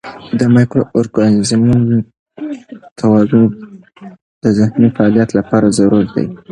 د مایکرو ارګانیزمونو توازن د ذهني فعالیت لپاره ضروري دی.